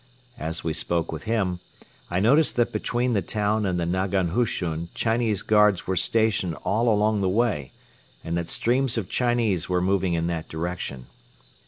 As we spoke with him, I noticed that between the town and the nagan hushun Chinese guards were stationed all along the way and that streams of Chinese were moving in that direction.